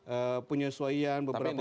eh penyesuaian beberapa fasal